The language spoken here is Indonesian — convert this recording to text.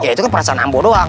itu kan perasaan ambo doang